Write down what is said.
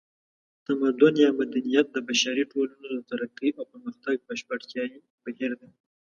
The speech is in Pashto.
تمدن یا مدنیت د بشري ټولنو د ترقۍ او پرمختګ بشپړتیایي بهیر دی